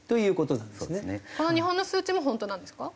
この日本の数値も本当なんですか？